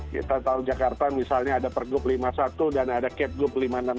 kita tahu jakarta misalnya ada pergub lima puluh satu dan ada kepgub lima ratus enam puluh